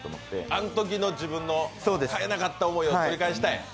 あのときの自分の買えなかった思いを取り戻したい。